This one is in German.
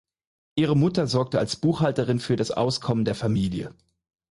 Ihre Mutter sorgte als Buchhalterin für das Auskommen der Familie.